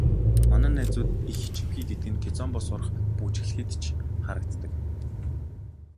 Манай залуучууд их ичимхий гэдэг нь кизомба сурах, бүжиглэхэд ч харагддаг.